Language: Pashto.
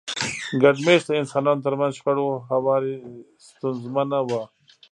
د ګډ مېشته انسانانو ترمنځ شخړو هواری ستونزمنه وه.